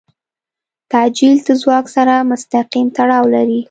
تعجیل د ځواک سره مستقیم تړاو لري.